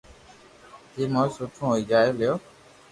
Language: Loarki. جيم ھوئي سٺو ھوئي جوئي ليو